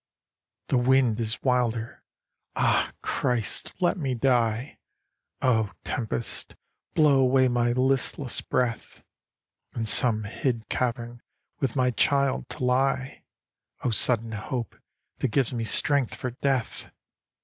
" The wind is wilder. Ah, Christ, let me die ! Oh, Tempest, blow away my listless breath ! In some hid cavern with my child to lie — O sudden hope, that gives me strength for death